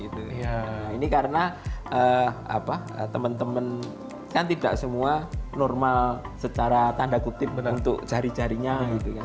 nah ini karena temen temen kan tidak semua normal secara tanda kutip untuk cari carinya gitu ya